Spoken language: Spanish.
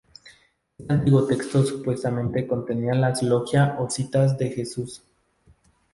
Este antiguo texto supuestamente contenía las logia o citas de Jesús.